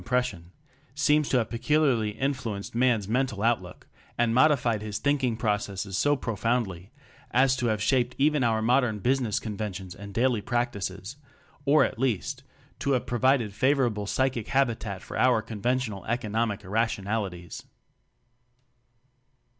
impression; seems to have peculiarly influenced man's mental outlook and modified his thinking pro cesses so profoundly as to have shaped even our modern business con ventions and daily practices or at least to have provided favorable psychic habitat for our conventional" economic irrationalities.